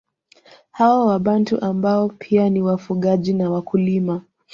Hawa wabantu ambao pia ni wafugaji na wakulima